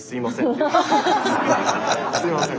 すいません。